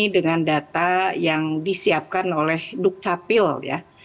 dengan data yang disiapkan oleh dukcapil ya